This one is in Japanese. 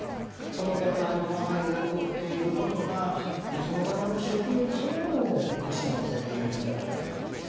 その方の周りで起こっている事がその方の食欲そのものを失わせているんじゃないかって。